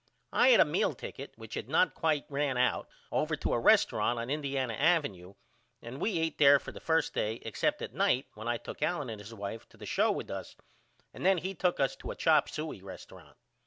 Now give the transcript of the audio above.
I had a meal ticket which had not quite ran out over to a resturunt on Indiana Ave and we eat there for the first day except at night when I took Allen and his wife to the show with us and then he took us to a chop suye resturunt.